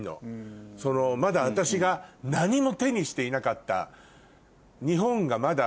まだ私が何も手にしていなかった。